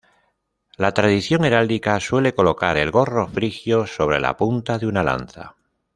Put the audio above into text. La tradición heráldica suele colocar el gorro frigio sobre la punta de una lanza.